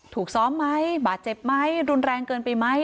ถูกซ้อมไหมบาดเจ็บไหมรุนแรงเกินไปไหม